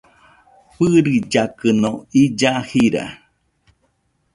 Fɨɨrillakɨno illa jira